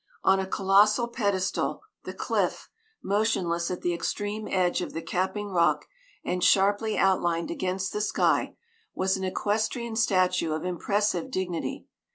On a colossal pedestal, the cliff, motionless at the extreme edge of the capping rock and sharply outlined against the sky, was an equestrian statue of impressive dignity.